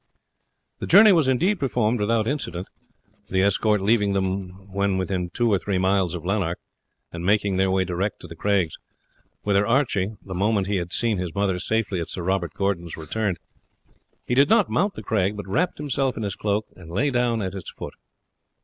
The journey was indeed performed without incident, the escort leaving them when within two or three miles of Lanark, and making their way direct to the craigs, whither Archie, the moment he had seen his mother safely at Sir Robert Gordon's, returned. He did not mount the craig, but wrapping himself in his cloak lay down at its foot.